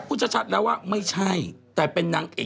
แต่ความจริงเอามืออัง